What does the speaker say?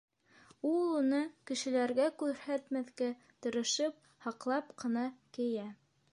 Ул уны, кешеләргә күрһәтмәҫкә тырышып, һаҡлап ҡына кейә.